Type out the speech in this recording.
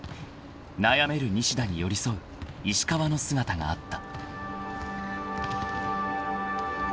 ［悩める西田に寄り添う石川の姿があった］